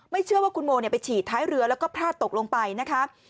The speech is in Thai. เชื่อว่าคุณโมไปฉีดท้ายเรือแล้วก็พลาดตกลงไปนะคะ